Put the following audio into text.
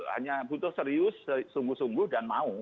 hanya butuh serius sungguh sungguh dan mau